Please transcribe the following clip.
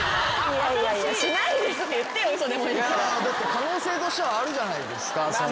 可能性としてはあるじゃないですか。